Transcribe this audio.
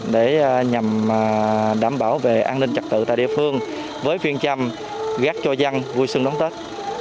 để nhằm đảm bảo về an ninh trật tự tại địa phương với phương châm gác cho dân vui xuân đón tết